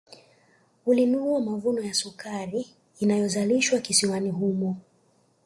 Ulinunua mavuno ya sukari inayozalishwa kisiwani humo